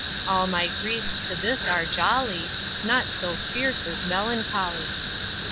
All my griefs to this are jolly, Naught so fierce as melancholy.